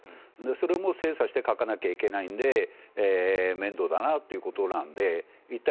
それも精査して書かないといけないので面倒だなということなので一体